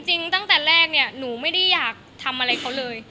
ตั้งแต่แรกเนี่ยหนูไม่ได้อยากทำอะไรเขาเลย